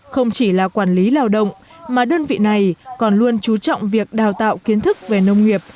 không chỉ là quản lý lao động mà đơn vị này còn luôn trú trọng việc đào tạo kiến thức về nông nghiệp